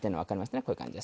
こういう感じです。